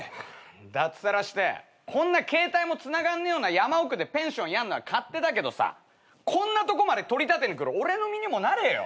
脱サラしてこんな携帯もつながんねえような山奥でペンションやんのは勝手だけどさこんなとこまで取り立てに来る俺の身にもなれよ。